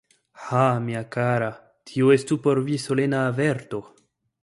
Ha, mia kara, tio estu por vi solena averto.